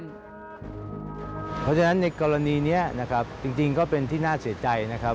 เพราะฉะนั้นในกรณีนี้นะครับจริงก็เป็นที่น่าเสียใจนะครับ